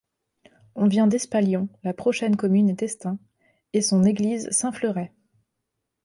On vient d'Espalion, la prochaine commune est Estaing, et son église Saint-Fleuret.